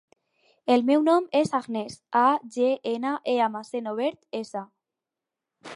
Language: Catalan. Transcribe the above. El meu nom és Agnès: a, ge, ena, e amb accent obert, essa.